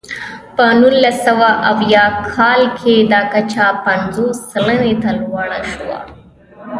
په نولس سوه اویا کال کې دا کچه پنځوس سلنې ته لوړه شوه.